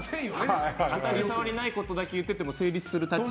あたりさわりないことだけ言ってても成立する立ち位置。